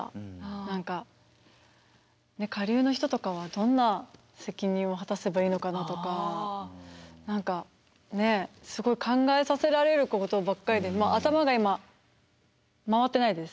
何か下流の人とかはどんな責任を果たせばいいのかなとか何かねっすごい考えさせられることばっかりで頭が今回ってないです。